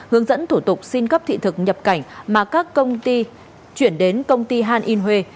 hướng dẫn thủ tục xin cấp thị thực nhập cảnh mà các công ty chuyển đến công ty han in huê